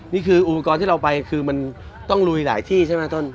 นี่คืออุปกรณ์ที่เราไปคือมันต้องลุยหลายที่ใช่ไหมต้น